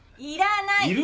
いらない。